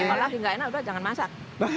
kalau lagi nggak enak udah jangan masak